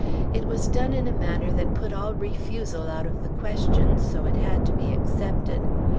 It was done in a manner that put all refusal out of the question; so it had to be accepted.